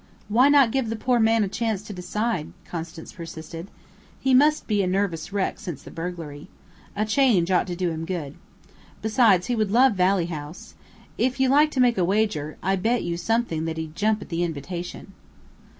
"Why not give the poor man a chance to decide?" Constance persisted. "He must be a nervous wreck since the burglary. A change ought to do him good. Besides, he would love Valley House. If you like to make a wager, I'll bet you something that he'd jump at the invitation."